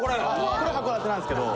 これ函館なんですけど